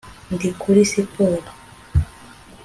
ndi kuri siporo